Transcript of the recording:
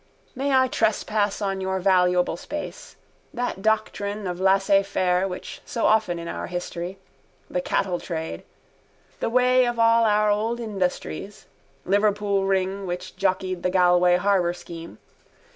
May I trespass on your valuable space. That doctrine of laissez faire which so often in our history. Our cattle trade. The way of all our old industries. Liverpool ring which jockeyed the Galway harbour scheme.